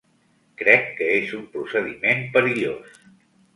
Crec que és un procediment perillós.